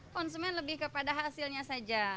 konsumen lebih kepada hasilnya saja